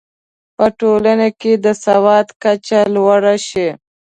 په ټولنه کې د سواد کچه لوړه شي.